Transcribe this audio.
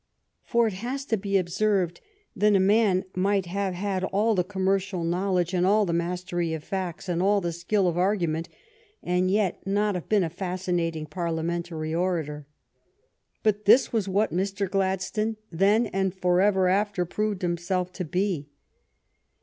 For it has to be observed that a man might have had all the commercial knowledge, and all the mastery of facts, and all the skill of argument, and yet not have been a fascinating Parliamentary orator. But this was what Mr. Gladstone then and forever after proved himself to be.